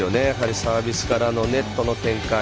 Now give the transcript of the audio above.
サービスからのネットの展開。